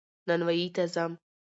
نانوايي ته ځم